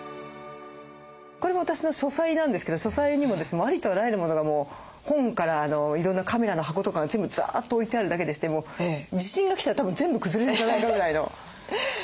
これは私の書斎なんですけど書斎にもありとあらゆるモノがもう本からいろんなカメラの箱とかが全部ザーッと置いてあるだけでして地震が来たらたぶん全部崩れるんじゃないかぐらいの状況でした。